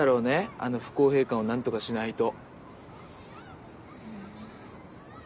あの不公平感を何とかしないと。